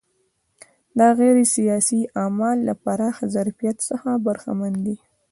دا غیر سیاسي اعمال له پراخ ظرفیت څخه برخمن دي.